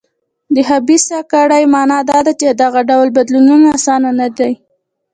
د خبیثه کړۍ معنا دا ده چې دغه ډول بدلون اسانه نه دی.